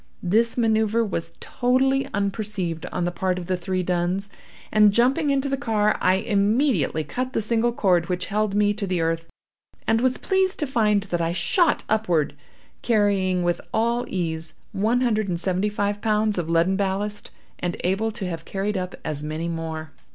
This manoeuvre was totally unperceived on the part of the three duns; and, jumping into the car, I immediately cut the single cord which held me to the earth, and was pleased to find that I shot upward, carrying with all ease one hundred and seventy five pounds of leaden ballast, and able to have carried up as many more.